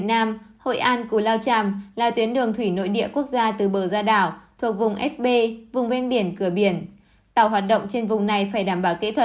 năm hai nghìn một mươi bảy luồng hội an của lao tràm được nạ vét